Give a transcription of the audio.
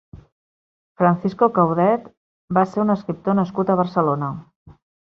Francisco Caudet va ser un escriptor nascut a Barcelona.